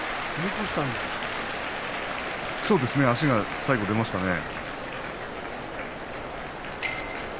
足が最後、出ましたね。